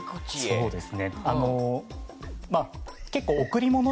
そうです。